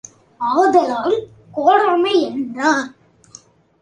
ஆதலால், கோடாமை என்றார்.